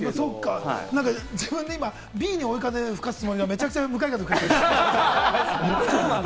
自分に、Ｂに追い風を吹かすつもりが、むちゃくちゃ向かい風。